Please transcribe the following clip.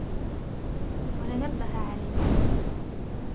وَلَنَبَّهَ عَلَيْهِ